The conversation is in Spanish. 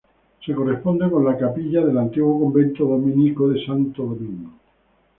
Se corresponde con la capilla del antiguo convento dominico de Santo Domingo.